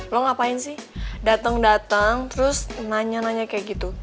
lo ngapain sih datang datang terus nanya nanya kayak gitu